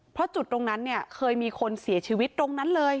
เพราะจุดตรงนั้นเนี่ยเคยมีคนเสียชีวิตตรงนั้นเลย